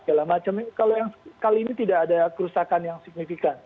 segala macam kalau yang kali ini tidak ada kerusakan yang signifikan